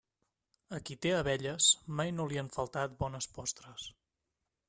A qui té abelles mai no li han faltat bones postres.